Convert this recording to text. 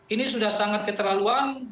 ini sudah sangat keterlaluan